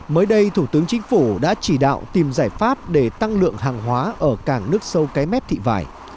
mới đây thủ tướng chính phủ đã chỉ đạo tìm giải pháp để tăng lượng hàng hóa ở cảng nước sâu cái mép thị vải